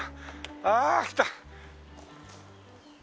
ああ来た！